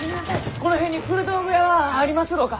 この辺に古道具屋はありますろうか？